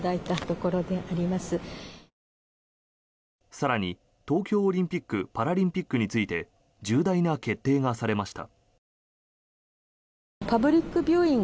更に、東京オリンピック・パラリンピックについて重大な決定がされました。